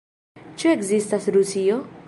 Ĉu ekzistas Rusio?